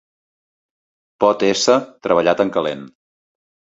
Pot ésser treballat en calent.